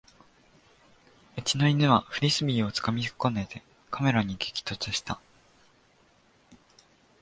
うちの犬はフリスビーをつかみ損ねてカメラに激突した